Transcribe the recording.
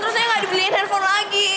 ternyata kayaknya gak dibeliin handphone lagi